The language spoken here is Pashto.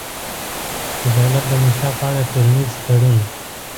د دولت د منشا په اړه ټولنیز تړون